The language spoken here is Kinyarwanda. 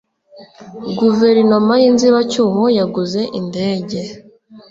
guverinoma yinzibacyuho yaguze indege.